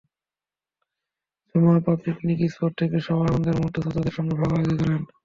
ঝুমা আপা picnic spot থেকে সবার আনন্দের মুহূর্ত শ্রোতাদের সঙ্গে ভাগাভাগি করেন।